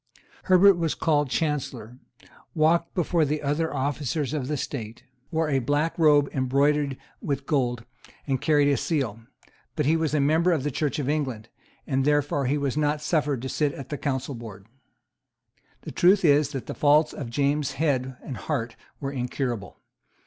Herbert was called Chancellor, walked before the other officers of state, wore a black robe embroidered with gold, and carried a seal; but he was a member of the Church of England; and therefore he was not suffered to sit at the Council Board. The truth is that the faults of James's head and heart were incurable.